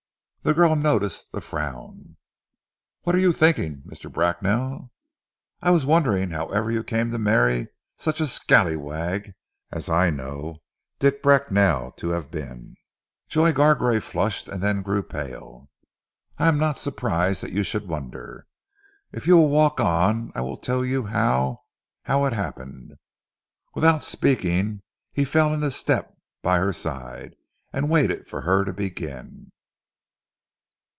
The girl noticed the frown. "What are you thinking, Mr. Bracknell?" "I was wondering however you came to marry such a scally wag as I know Dick Bracknell to have been." Joy Gargrave flushed and then grew pale. "I am not surprised that you should wonder.... If you will walk on I will tell you how how it happened." Without speaking he fell into step by her side, and waited for her to begin.